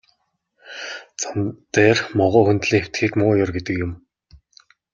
Зам дээр могой хөндлөн хэвтэхийг муу ёр гэдэг юм.